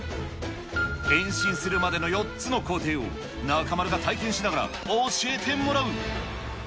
変身するまでの４つの工程を中丸が体験しながら教えてもらう。